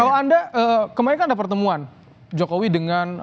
kalau anda kemarin kan ada pertemuan jokowi dengan